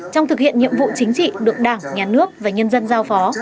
trong thực hiện nhiệm vụ chính trị được đảng nhà nước và nhân dân giao phó